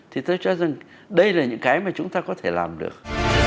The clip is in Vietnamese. thì tôi cho rằng đây là những cái mà chúng ta có thể làm được